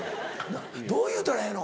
どう言うたらええの？